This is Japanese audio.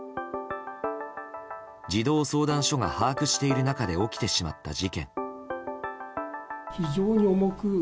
児童相談所が把握している中で起きてしまった事件。